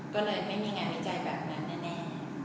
ก็เลยไม่มีงานวิจัยแบบนั้นแน่